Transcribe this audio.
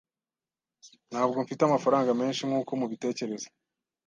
Ntabwo mfite amafaranga menshi nkuko mubitekereza.